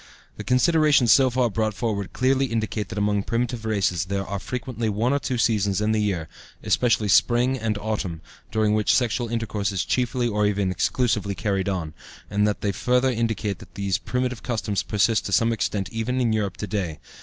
The considerations so far brought forward clearly indicate that among primitive races there are frequently one or two seasons in the year especially spring and autumn during which sexual intercourse is chiefly or even exclusively carried on, and they further indicate that these primitive customs persist to some extent even in Europe to day.